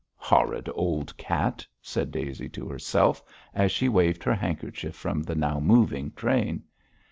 'Horrid old cat!' said Daisy to herself, as she waved her handkerchief from the now moving train.